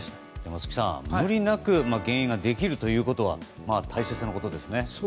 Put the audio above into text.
松木さん、無理なく減塩ができるということは大切なことですね。